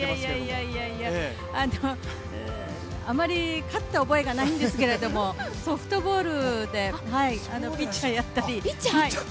いやいやいやあまり勝った覚えがないんですけどソフトボールで、ピッチャーやったり。